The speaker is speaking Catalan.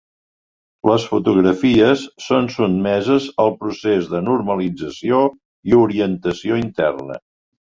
Les fotografies són sotmeses al procés de normalització i orientació interna.